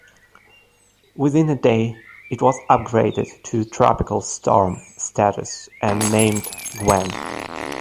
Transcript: Within a day, it was upgraded to tropical storm status and named Gwen.